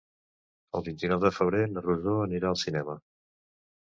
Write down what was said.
El vint-i-nou de febrer na Rosó anirà al cinema.